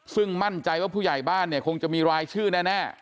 ซึ่งมั่นใจว่าผู้ใหญ่บ้านเนี่ยคงจะมีรายชื่อแน่